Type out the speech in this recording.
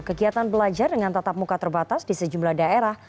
kegiatan belajar dengan tatap muka terbatas di sejumlah daerah